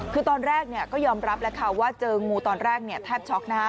คือตอนแรกก็ยอมรับแล้วค่ะว่าเจองูตอนแรกแทบช็อกนะ